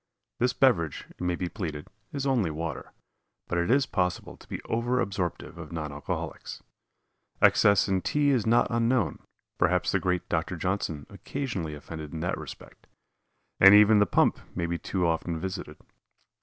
This beverage, it may be pleaded, is only water, but it is possible to be over absorptive of non alcoholics. Excess in tea is not unknown perhaps the great Dr. Johnson occasionally offended in that respect and even the pump may be too often visited.